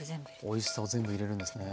おいしさを全部入れるんですね。